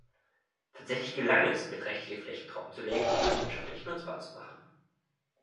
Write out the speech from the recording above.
Tatsächlich gelang es, beträchtliche Flächen trockenzulegen und landwirtschaftlich nutzbar zu machen.